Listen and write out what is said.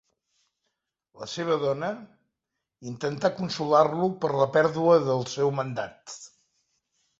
La seva dona intentar consolar-lo per la pèrdua del seu mandat.